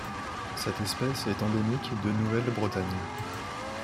Cette espèce est endémique de Nouvelle-Bretagne.